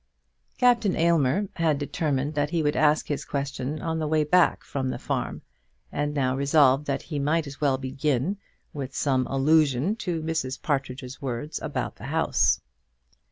Captain Aylmer had determined that he would ask his question on the way back from the farm, and now resolved that he might as well begin with some allusion to Mrs. Partridge's words about the house.